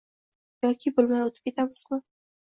yoki bilmay o‘tib ketamizmi?